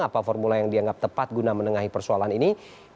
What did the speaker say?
apa formula yang dianggap tepat guna menengahi persoalan ini